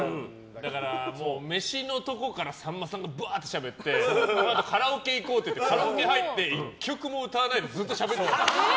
だからめしのとこからさんまさんがぶわーってしゃべってそのあとカラオケ行こうってカラオケ入って１曲も歌わないでずっとしゃべってて。